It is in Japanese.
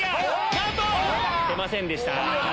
なんと‼出ませんでした。